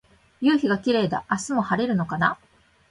夕陽がキレイだ。明日も晴れるのかな。